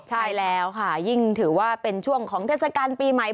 ใช่แล้วค่ะยิ่งถือว่าเป็นช่วงของเทศกาลปีใหม่